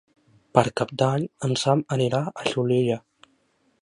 Per Cap d'Any en Sam anirà a Xulilla.